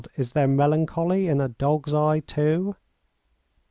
is there melancholy in a dog's eye, too?